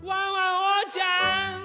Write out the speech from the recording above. おうちゃん！